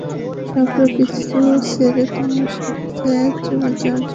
সবকিছু ছেড়ে তোমার সাথে চলে যাওয়ার জন্য।